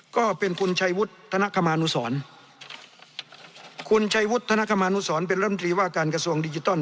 ก็เป็นคุณชัยวุฒิธนคมานุสรคุณชัยวุฒนคมานุสรเป็นรัฐมนตรีว่าการกระทรวงดิจิตอล